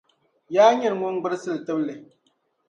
Yaa nyini ŋun gbilsiri tibli